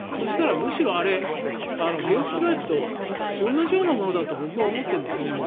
むしろあれ原付きバイクと同じようなものだと僕は思ってるんですよね。